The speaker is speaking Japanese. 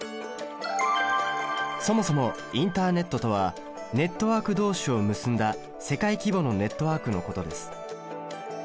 そもそもインターネットとはネットワーク同士を結んだ世界規模のネットワークのことです。